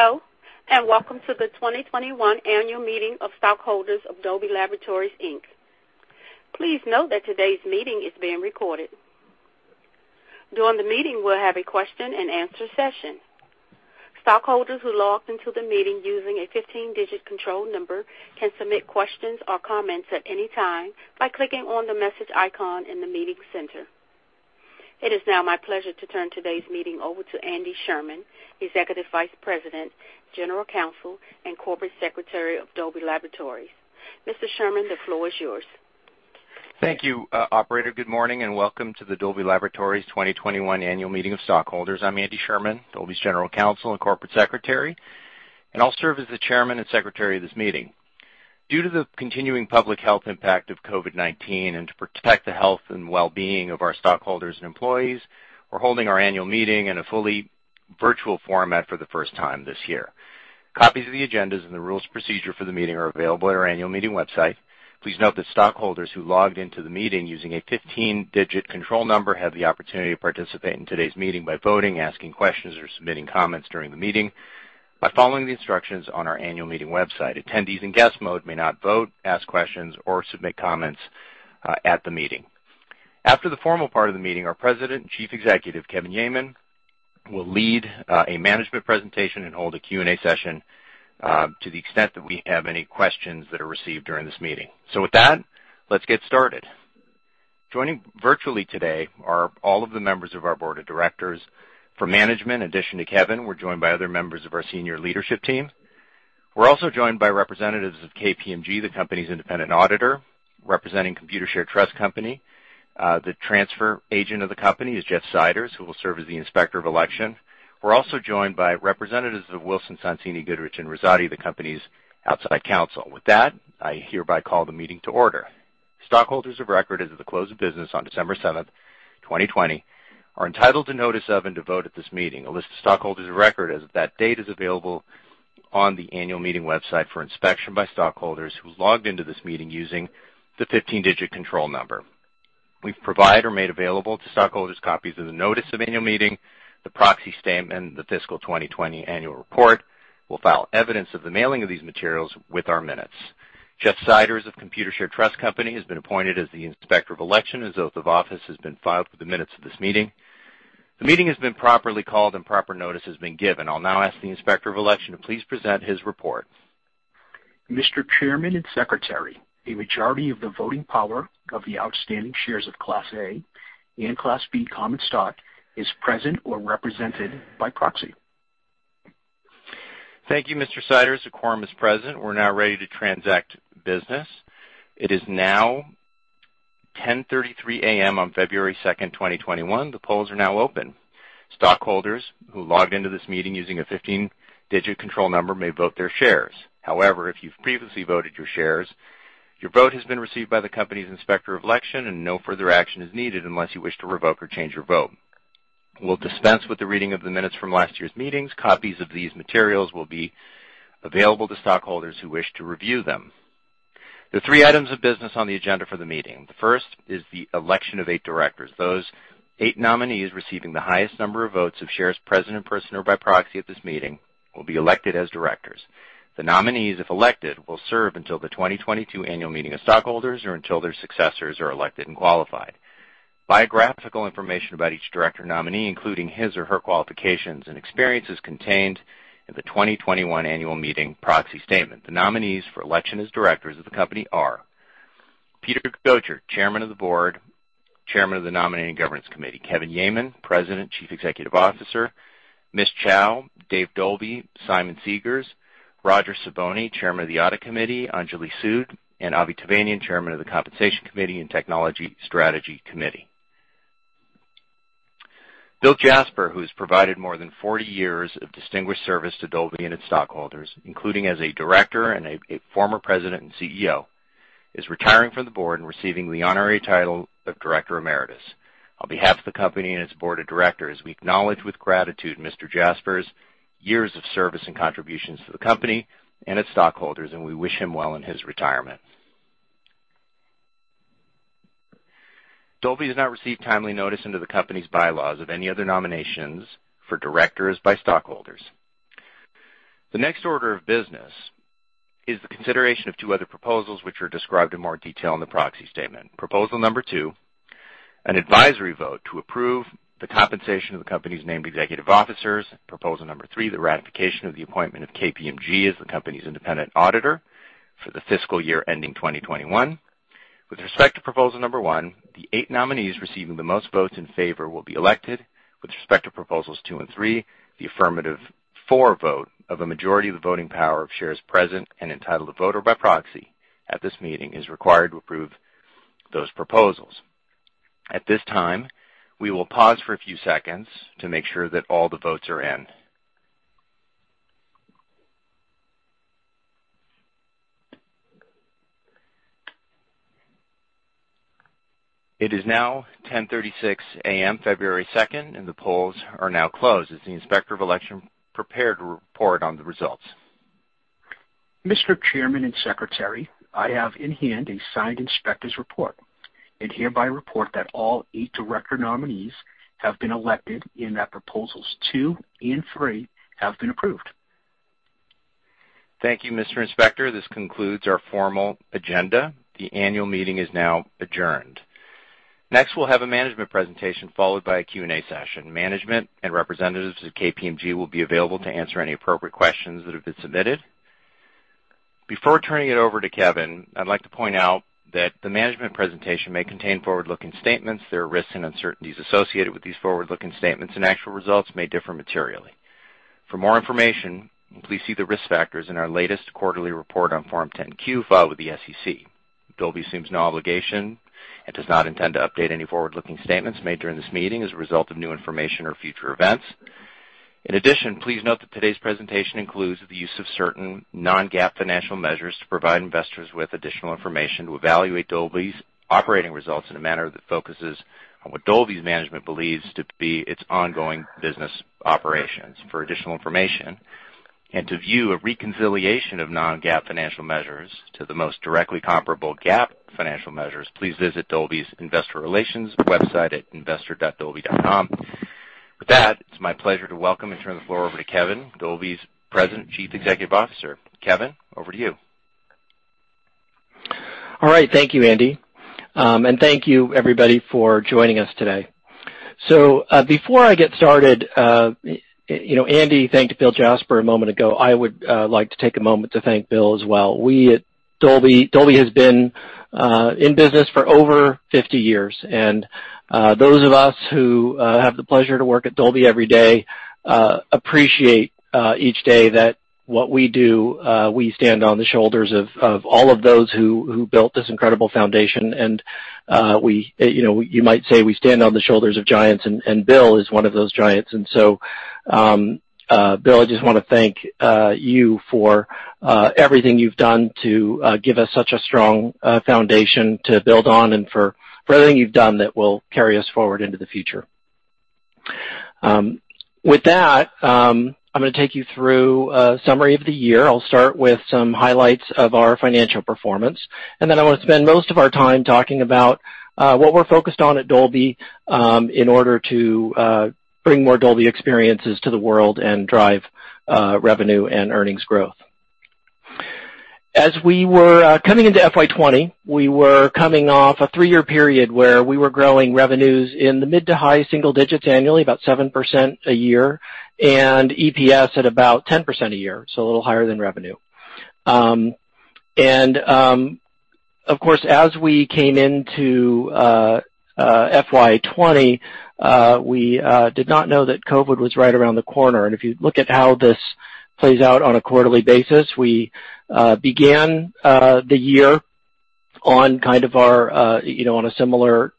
Hello, and welcome to the 2021 annual meeting of stockholders of Dolby Laboratories, Inc. Please note that today's meeting is being recorded. During the meeting, we'll have a question-and-answer session. Stockholders who logged into the meeting using a 15-digit control number can submit questions or comments at any time by clicking on the message icon in the meeting center. It is now my pleasure to turn today's meeting over to Andy Sherman, Executive Vice President, General Counsel, and Corporate Secretary of Dolby Laboratories. Mr. Sherman, the floor is yours. Thank you, operator. Good morning, and welcome to the Dolby Laboratories 2021 annual meeting of stockholders. I'm Andy Sherman, Dolby's General Counsel and Corporate Secretary, and I'll serve as the chairman and secretary of this meeting. Due to the continuing public health impact of COVID-19 and to protect the health and well-being of our stockholders and employees, we're holding our annual meeting in a fully virtual format for the first time this year. Copies of the agendas and the rules of procedure for the meeting are available at our annual meeting website. Please note that stockholders who logged into the meeting using a 15-digit control number have the opportunity to participate in today's meeting by voting, asking questions, or submitting comments during the meeting by following the instructions on our annual meeting website. Attendees in guest mode may not vote, ask questions, or submit comments at the meeting. After the formal part of the meeting, our President and Chief Executive, Kevin Yeaman, will lead a management presentation and hold a Q&A session to the extent that we have any questions that are received during this meeting. With that, let's get started. Joining virtually today are all of the members of our board of directors. For management, in addition to Kevin, we're joined by other members of our senior leadership team. We're also joined by representatives of KPMG, the company's independent auditor. Representing Computershare Trust Company, the transfer agent of the company, is Jeff Siders, who will serve as the Inspector of Election. We're also joined by representatives of Wilson Sonsini Goodrich & Rosati, the company's outside counsel. With that, I hereby call the meeting to order. Stockholders of record as of the close of business on December 7th, 2020, are entitled to notice of and to vote at this meeting. A list of stockholders of record as of that date is available on the annual meeting website for inspection by stockholders who logged into this meeting using the 15-digit control number. We've provided or made available to stockholders copies of the notice of annual meeting, the proxy statement, the fiscal 2020 Annual Report. We'll file evidence of the mailing of these materials with our minutes. Jeff Siders of Computershare Trust Company has been appointed as the Inspector of Election. His oath of office has been filed for the minutes of this meeting. The meeting has been properly called and proper notice has been given. I'll now ask the Inspector of Election to please present his report. Mr. Chairman and Secretary, a majority of the voting power of the outstanding shares of Class A and Class B common stock is present or represented by proxy. Thank you, Mr. Siders. A quorum is present. We're now ready to transact business. It is now 10:33 A.M. on February 2nd, 2021. The polls are now open. Stockholders who logged into this meeting using a 15-digit control number may vote their shares. However, if you've previously voted your shares, your vote has been received by the company's Inspector of Election and no further action is needed unless you wish to revoke or change your vote. We'll dispense with the reading of the minutes from last year's meetings. Copies of these materials will be available to stockholders who wish to review them. There are three items of business on the agenda for the meeting. First is the election of eight directors. Those eight nominees receiving the highest number of votes of shares present in person or by proxy at this meeting will be elected as directors. The nominees, if elected, will serve until the 2022 annual meeting of stockholders or until their successors are elected and qualified. Biographical information about each director nominee, including his or her qualifications and experience, is contained in the 2021 annual meeting proxy statement. The nominees for election as directors of the company are Peter Gotcher, Chairman of the Board, Chairman of the Nominating Governance Committee, Kevin Yeaman, President, Chief Executive Officer, Ms. Chau, Dave Dolby, Simon Segars, Roger Siboni, Chairman of the Audit Committee, Anjali Sud, and Avie Tevanian, Chairman of the Compensation Committee and Technology Strategy Committee. Bill Jasper, who has provided more than 40 years of distinguished service to Dolby and its stockholders, including as a director and a former President and CEO, is retiring from the board and receiving the honorary title of Director Emeritus. On behalf of the company and its board of directors, we acknowledge with gratitude Mr. Jasper's years of service and contributions to the company and its stockholders, and we wish him well in his retirement. Dolby has not received timely notice under the company's bylaws of any other nominations for directors by stockholders. The next order of business is the consideration of two other proposals, which are described in more detail in the proxy statement. Proposal number two, an advisory vote to approve the compensation of the company's named executive officers. Proposal number three, the ratification of the appointment of KPMG as the company's independent auditor for the fiscal year ending 2021. With respect to proposal number one, the eight nominees receiving the most votes in favor will be elected. With respect to proposals two and three, the affirmative for vote of a majority of the voting power of shares present and entitled to vote or by proxy at this meeting is required to approve those proposals. At this time, we will pause for a few seconds to make sure that all the votes are in. It is now 10:36 A.M., February 2nd, and the polls are now closed. Is the Inspector of Election prepared to report on the results? Mr. Chairman and Secretary, I have in hand a signed inspector's report and hereby report that all eight director nominees have been elected and that proposals two and three have been approved. Thank you, Mr. Inspector. This concludes our formal agenda. The annual meeting is now adjourned. Next, we'll have a management presentation followed by a Q&A session. Management and representatives of KPMG will be available to answer any appropriate questions that have been submitted. Before turning it over to Kevin, I'd like to point out that the management presentation may contain forward-looking statements. There are risks and uncertainties associated with these forward-looking statements, and actual results may differ materially. For more information, please see the risk factors in our latest quarterly report on Form 10-Q filed with the SEC. Dolby assumes no obligation and does not intend to update any forward-looking statements made during this meeting as a result of new information or future events. In addition, please note that today's presentation includes the use of certain non-GAAP financial measures to provide investors with additional information to evaluate Dolby's operating results in a manner that focuses on what Dolby's management believes to be its ongoing business operations. For additional information, to view a reconciliation of non-GAAP financial measures to the most directly comparable GAAP financial measures, please visit Dolby's investor relations website at investor.dolby.com. With that, it's my pleasure to welcome and turn the floor over to Kevin, Dolby's President Chief Executive Officer. Kevin, over to you. All right. Thank you, Andy, and thank you, everybody, for joining us today. Before I get started, Andy thanked Bill Jasper a moment ago. I would like to take a moment to thank Bill as well. Dolby has been in business for over 50 years, and those of us who have the pleasure to work at Dolby every day appreciate each day that what we do, we stand on the shoulders of all of those who built this incredible foundation. You might say we stand on the shoulders of giants, and Bill is one of those giants. So, Bill, I just want to thank you for everything you've done to give us such a strong foundation to build on and for everything you've done that will carry us forward into the future. With that, I'm going to take you through a summary of the year. I'll start with some highlights of our financial performance, then I want to spend most of our time talking about what we're focused on at Dolby in order to bring more Dolby experiences to the world and drive revenue and earnings growth. As we were coming into FY 2020, we were coming off a three-year period where we were growing revenues in the mid to high single digits annually, about 7% a year, and EPS at about 10% a year. A little higher than revenue. Of course, as we came into FY 2020, we did not know that COVID was right around the corner. If you look at how this plays out on a quarterly basis, we began the year on a similar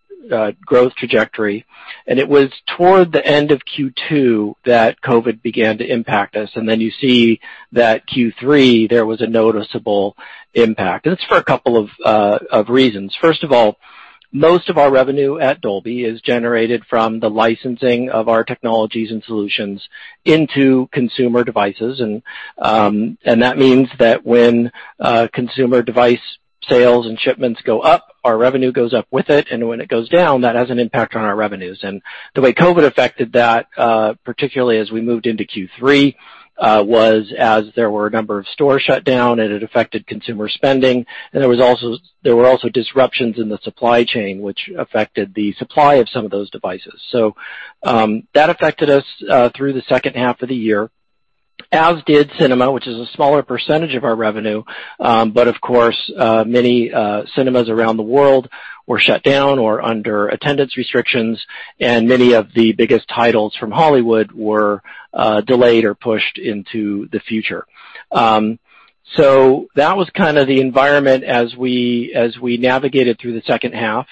growth trajectory, and it was toward the end of Q2 that COVID began to impact us. Then you see that Q3, there was a noticeable impact. It's for a couple of reasons. First of all, most of our revenue at Dolby is generated from the licensing of our technologies and solutions into consumer devices. That means that when consumer device sales and shipments go up, our revenue goes up with it, and when it goes down, that has an impact on our revenues. The way COVID affected that, particularly as we moved into Q3, was as there were a number of stores shut down, and it affected consumer spending, and there were also disruptions in the supply chain, which affected the supply of some of those devices. That affected us through the second half of the year, as did cinema, which is a smaller percentage of our revenue. Of course, many cinemas around the world were shut down or under attendance restrictions, and many of the biggest titles from Hollywood were delayed or pushed into the future. That was kind of the environment as we navigated through the second half.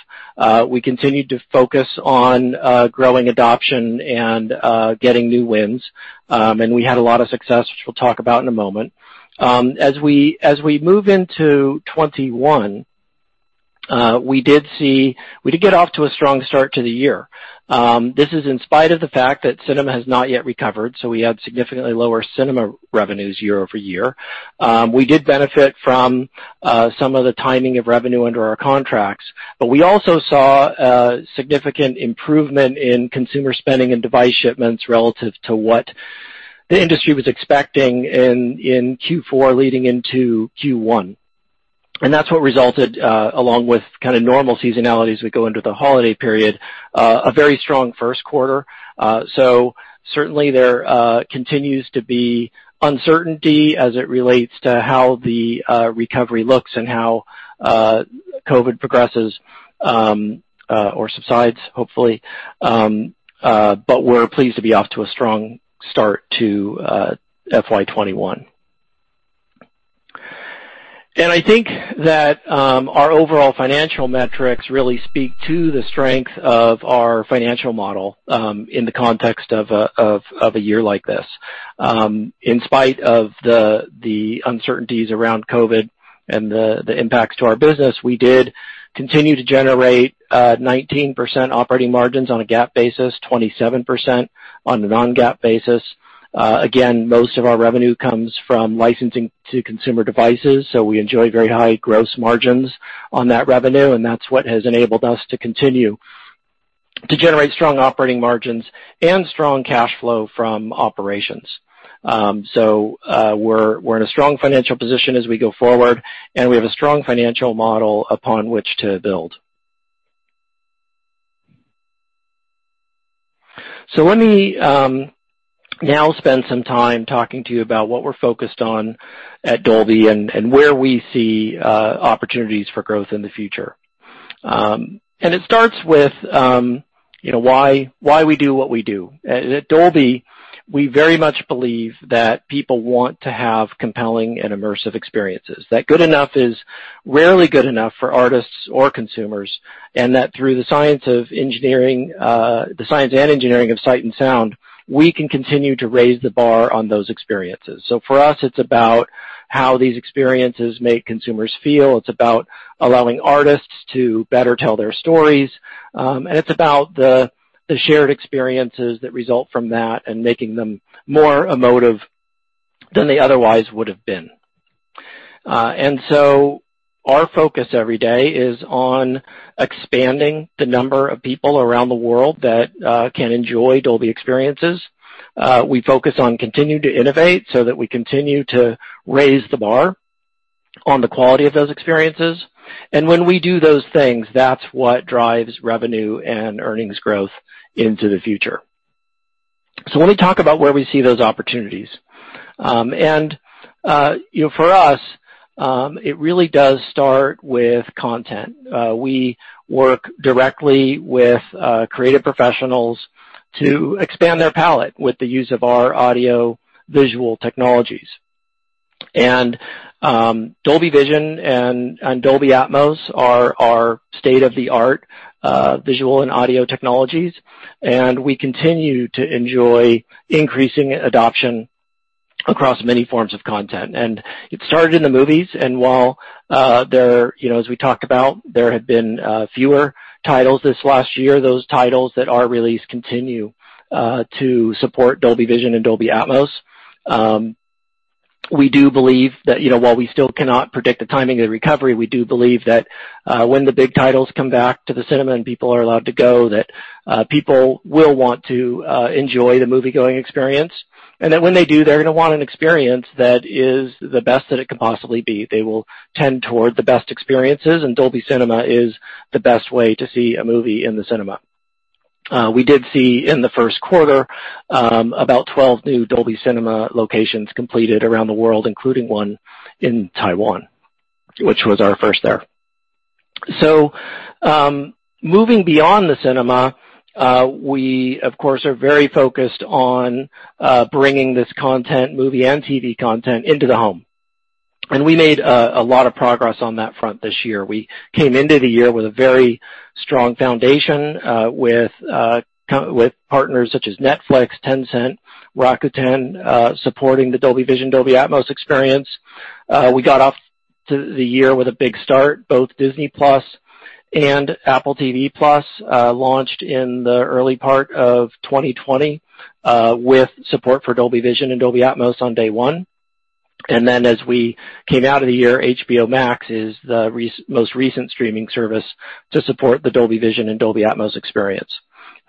We continued to focus on growing adoption and getting new wins. We had a lot of success, which we'll talk about in a moment. As we move into 2021, we did get off to a strong start to the year. This is in spite of the fact that cinema has not yet recovered, so we had significantly lower cinema revenues year-over-year. We did benefit from some of the timing of revenue under our contracts, but we also saw a significant improvement in consumer spending and device shipments relative to what the industry was expecting in Q4 leading into Q1. That's what resulted, along with kind of normal seasonality as we go into the holiday period, a very strong first quarter. Certainly there continues to be uncertainty as it relates to how the recovery looks and how COVID progresses, or subsides, hopefully. We're pleased to be off to a strong start to FY 2021. I think that our overall financial metrics really speak to the strength of our financial model in the context of a year like this. In spite of the uncertainties around COVID and the impacts to our business, we did continue to generate 19% operating margins on a GAAP basis, 27% on a non-GAAP basis. Again, most of our revenue comes from licensing to consumer devices, so we enjoy very high gross margins on that revenue, and that's what has enabled us to continue to generate strong operating margins and strong cash flow from operations. We're in a strong financial position as we go forward, and we have a strong financial model upon which to build. Let me now spend some time talking to you about what we're focused on at Dolby and where we see opportunities for growth in the future. It starts with why we do what we do. At Dolby, we very much believe that people want to have compelling and immersive experiences. That good enough is rarely good enough for artists or consumers, and that through the science and engineering of sight and sound, we can continue to raise the bar on those experiences. For us, it's about how these experiences make consumers feel. It's about allowing artists to better tell their stories. It's about the shared experiences that result from that and making them more emotive than they otherwise would've been. Our focus every day is on expanding the number of people around the world that can enjoy Dolby experiences. We focus on continuing to innovate so that we continue to raise the bar on the quality of those experiences. When we do those things, that's what drives revenue and earnings growth into the future. Let me talk about where we see those opportunities. For us, it really does start with content. We work directly with creative professionals to expand their palette with the use of our audio-visual technologies. Dolby Vision and Dolby Atmos are our state-of-the-art visual and audio technologies, and we continue to enjoy increasing adoption across many forms of content. It started in the movies, and while there, as we talked about, there have been fewer titles this last year. Those titles that are released continue to support Dolby Vision and Dolby Atmos. We do believe that, you know, while we still cannot predict the timing of the recovery, we do believe that when the big titles come back to the cinema, and people are allowed to go, that people will want to enjoy the movie-going experience. That when they do, they're going to want an experience that is the best that it can possibly be. They will tend toward the best experiences, Dolby Cinema is the best way to see a movie in the cinema. We did see in the first quarter about 12 new Dolby Cinema locations completed around the world, including one in Taiwan, which was our first there. Moving beyond the cinema, we of course, are very focused on bringing this content, movie and TV content, into the home. We made a lot of progress on that front this year. We came into the year with a very strong foundation with partners such as Netflix, Tencent, Rakuten, supporting the Dolby Vision, Dolby Atmos experience. We got off to the year with a big start. Both Disney+ and Apple TV+ launched in the early part of 2020 with support for Dolby Vision and Dolby Atmos on day one. As we came out of the year, HBO Max is the most recent streaming service to support the Dolby Vision and Dolby Atmos experience.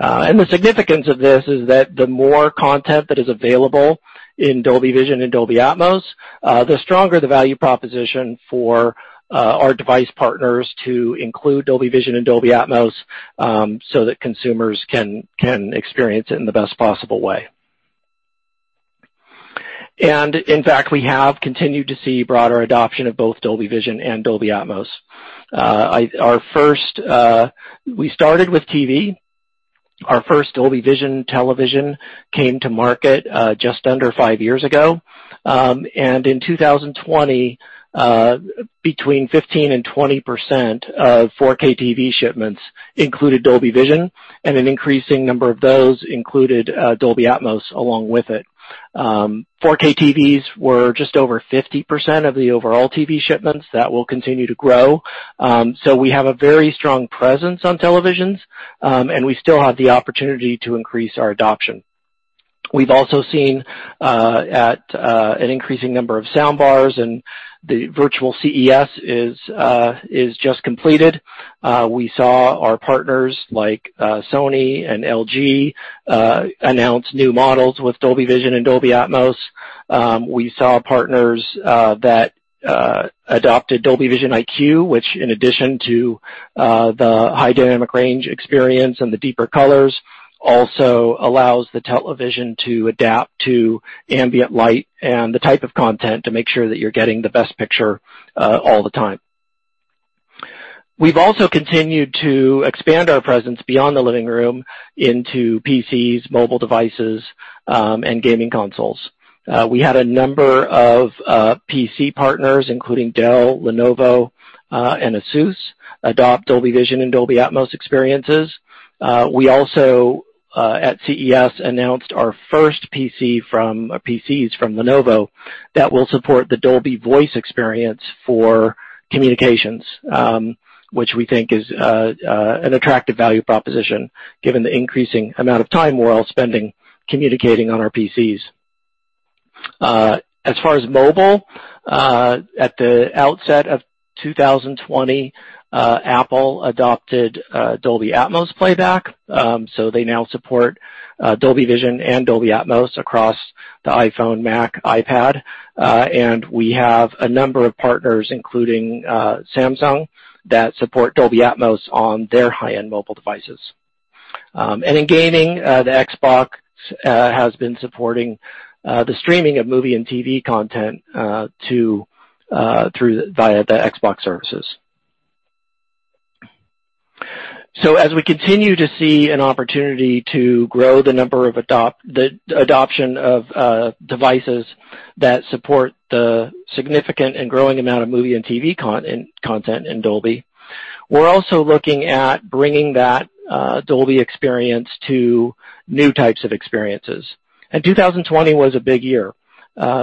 The significance of this is that the more content that is available in Dolby Vision and Dolby Atmos, the stronger the value proposition for our device partners to include Dolby Vision and Dolby Atmos, so that consumers can experience it in the best possible way. In fact, we have continued to see broader adoption of both Dolby Vision and Dolby Atmos. We started with TV. Our first Dolby Vision television came to market just under five years ago. In 2020, between 15%-20% of 4K TV shipments included Dolby Vision, and an increasing number of those included Dolby Atmos along with it. 4K TVs were just over 50% of the overall TV shipments, that will continue to grow. We have a very strong presence on televisions, and we still have the opportunity to increase our adoption. We've also seen an increasing number of sound bars, and the Virtual CES is just completed. We saw our partners like Sony and LG announce new models with Dolby Vision and Dolby Atmos. We saw partners that adopted Dolby Vision IQ, which in addition to the high dynamic range experience and the deeper colors, also allows the television to adapt to ambient light and the type of content to make sure that you're getting the best picture all the time. We've also continued to expand our presence beyond the living room into PCs, mobile devices, and gaming consoles. We had a number of PC partners, including Dell, Lenovo, and ASUS, adopt Dolby Vision and Dolby Atmos experiences. We also, at CES, announced our first PCs from Lenovo that will support the Dolby Voice experience for communications, which we think is an attractive value proposition given the increasing amount of time we're all spending communicating on our PCs. As far as mobile, at the outset of 2020, Apple adopted Dolby Atmos playback. They now support Dolby Vision and Dolby Atmos across the iPhone, Mac, iPad. We have a number of partners, including Samsung, that support Dolby Atmos on their high-end mobile devices. In gaming, the Xbox has been supporting the streaming of movie and TV content via the Xbox services. As we continue to see an opportunity to grow the adoption of devices that support the significant and growing amount of movie and TV content in Dolby, we're also looking at bringing that Dolby experience to new types of experiences. 2020 was a big year.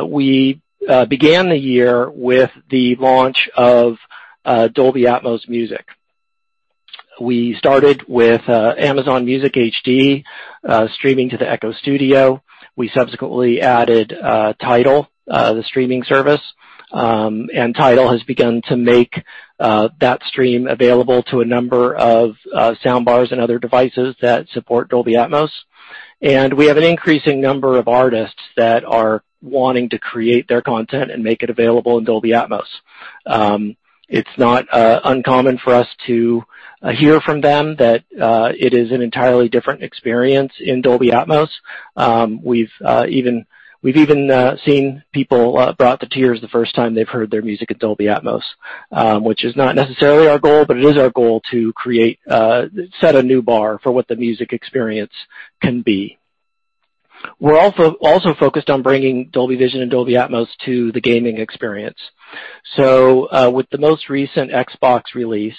We began the year with the launch of Dolby Atmos Music. We started with Amazon Music HD, streaming to the Echo Studio. We subsequently added TIDAL, the streaming service. TIDAL has begun to make that stream available to a number of soundbars and other devices that support Dolby Atmos. We have an increasing number of artists that are wanting to create their content and make it available in Dolby Atmos. It's not uncommon for us to hear from them that it is an entirely different experience in Dolby Atmos. We've even seen people brought to tears the first time they've heard their music in Dolby Atmos, which is not necessarily our goal, but it is our goal to set a new bar for what the music experience can be. We're also focused on bringing Dolby Vision and Dolby Atmos to the gaming experience. With the most recent Xbox release,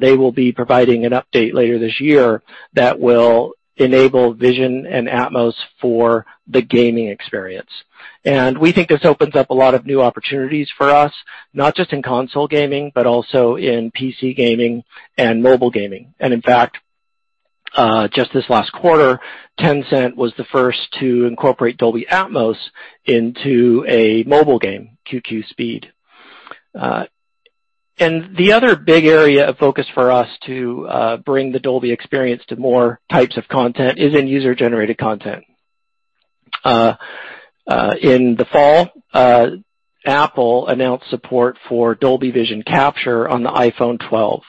they will be providing an update later this year that will enable Vision and Atmos for the gaming experience. We think this opens up a lot of new opportunities for us, not just in console gaming, but also in PC gaming and mobile gaming. In fact, just this last quarter, Tencent was the first to incorporate Dolby Atmos into a mobile game, QQ Speed. The other big area of focus for us to bring the Dolby experience to more types of content is in user-generated content. In the fall, Apple announced support for Dolby Vision capture on the iPhone 12.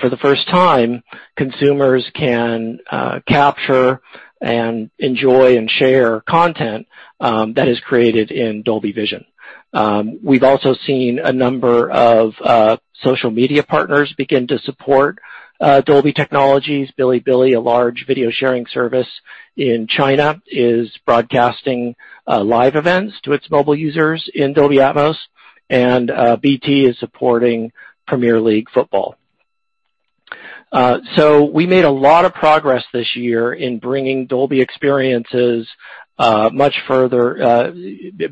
For the first time, consumers can capture, and enjoy, and share content that is created in Dolby Vision. We've also seen a number of social media partners begin to support Dolby technologies. Bilibili, a large video-sharing service in China, is broadcasting live events to its mobile users in Dolby Atmos, and BT is supporting Premier League football. We made a lot of progress this year in bringing Dolby experiences much further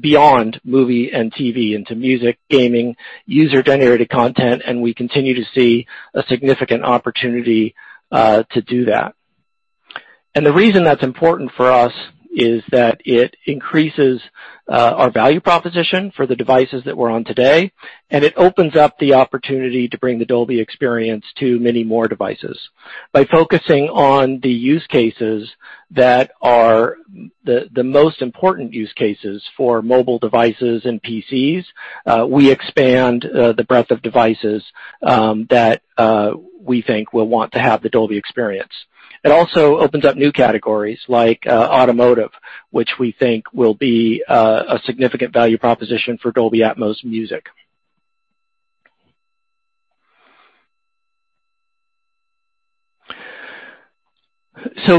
beyond movie and TV into music, gaming, and user-generated content, and we continue to see a significant opportunity to do that. The reason that's important for us is that it increases our value proposition for the devices that we're on today, and it opens up the opportunity to bring the Dolby experience to many more devices. By focusing on the use cases that are the most important use cases for mobile devices and PCs, we expand the breadth of devices that we think will want to have the Dolby experience. It also opens up new categories like automotive, which we think will be a significant value proposition for Dolby Atmos music.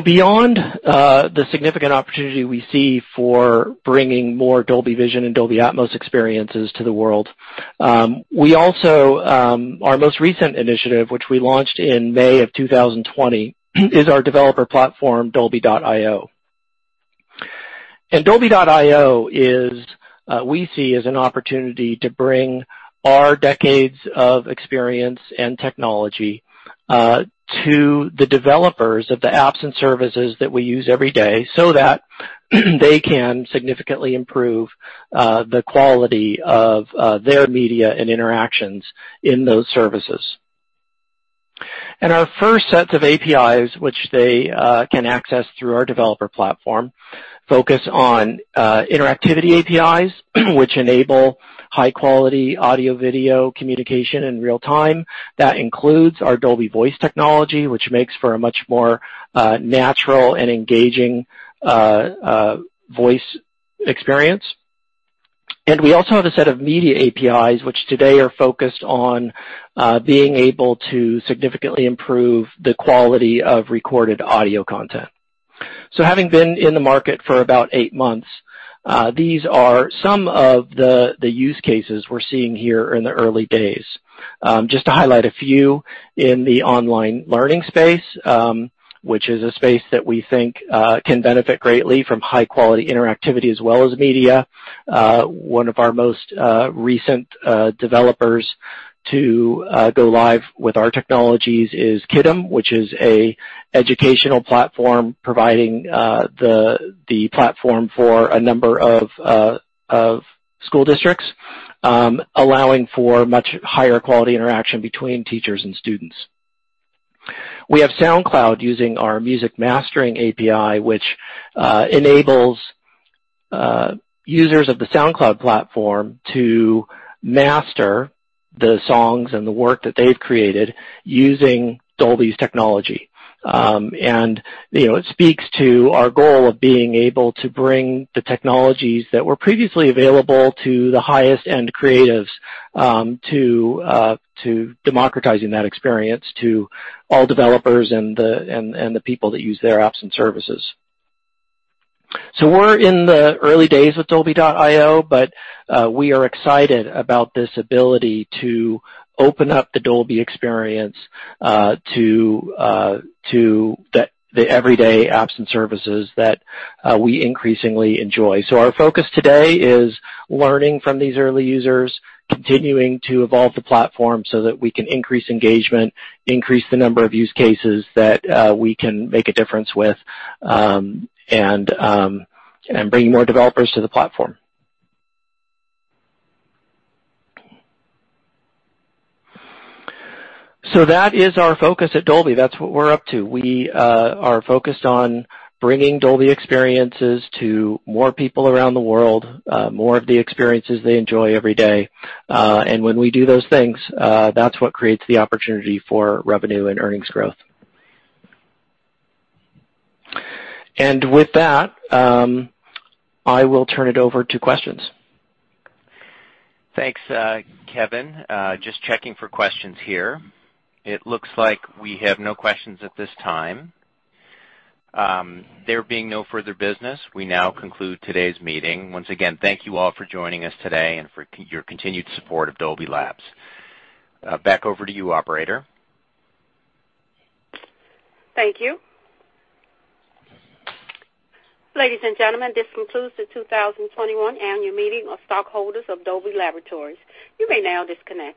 Beyond the significant opportunity we see for bringing more Dolby Vision and Dolby Atmos experiences to the world, we also, our most recent initiative, which we launched in May of 2020, is our developer platform, Dolby.io. Dolby.io, we see as an opportunity to bring our decades of experience and technology to the developers of the apps and services that we use every day so that they can significantly improve the quality of their media and interactions in those services. Our first set of APIs, which they can access through our developer platform, focus on interactivity APIs, which enable high-quality audio-video communication in real time, that includes our Dolby Voice technology, which makes for a much more natural and engaging voice experience. We also have a set of media APIs, which today are focused on being able to significantly improve the quality of recorded audio content. Having been in the market for about eight months, these are some of the use cases we're seeing here in the early days. Just to highlight a few in the online learning space, which is a space that we think can benefit greatly from high-quality interactivity as well as media. One of our most recent developers to go live with our technologies is Kiddom, which is an educational platform providing the platform for a number of school districts, allowing for much higher quality interaction between teachers and students. We have SoundCloud using our music mastering API, which enables users of the SoundCloud platform to master the songs and the work that they've created using Dolby's technology. It speaks to our goal of being able to bring the technologies that were previously available to the highest-end creatives to democratizing that experience to all developers and the people that use their apps and services. We're in the early days of Dolby.io. We are excited about this ability to open up the Dolby experience to the everyday apps and services that we increasingly enjoy. Our focus today is learning from these early users, continuing to evolve the platform so that we can increase engagement, increase the number of use cases that we can make a difference with, and bring more developers to the platform. That is our focus at Dolby. That's what we're up to. We are focused on bringing Dolby experiences to more people around the world, more of the experiences they enjoy every day. When we do those things, that's what creates the opportunity for revenue and earnings growth. With that, I will turn it over to questions. Thanks, Kevin. Just checking for questions here. It looks like we have no questions at this time. There being no further business, we now conclude today's meeting. Once again, thank you all for joining us today and for your continued support of Dolby Labs. Back over to you, operator. Thank you. Ladies and gentlemen, this concludes the 2021 annual meeting of stockholders of Dolby Laboratories. You may now disconnect.